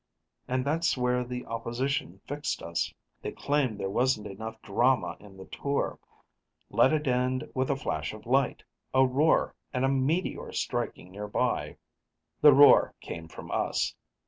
And that's where the opposition fixed us. They claimed there wasn't enough drama in the tour. Let it end with a flash of light, a roar, and a meteor striking nearby. The roar came from us.